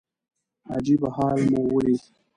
عجيبه حال مو وليد .